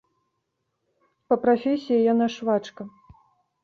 Па прафесіі яна швачка.